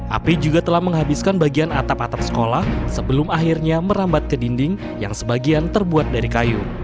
api juga telah menghabiskan bagian atap atap sekolah sebelum akhirnya merambat ke dinding yang sebagian terbuat dari kayu